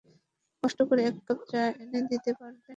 কষ্ট করে এককাপ চা এনে দিতে পারবেন?